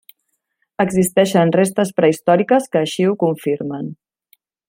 Existeixen restes prehistòriques que així ho confirmen.